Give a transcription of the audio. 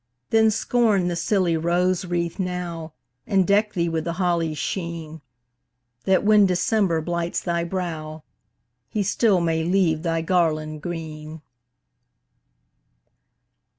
Then, scorn the silly rose wreath now, And deck thee with the holly's sheen, That, when December blights thy brow, He still may leave thy garland green.